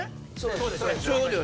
そうです。